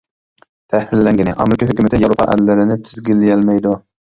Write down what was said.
تەھرىرلەنگىنى: ئامېرىكا ھۆكۈمىتى ياۋروپا ئەللىرىنى تىزگىنلىيەلمەيدۇ.